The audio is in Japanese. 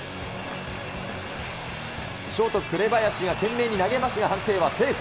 ショート、紅林が懸命に投げますが、判定はセーフ。